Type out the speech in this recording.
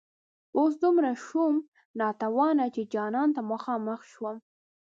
اوس دومره شوم ناتوانه چي جانان ته مخامخ شم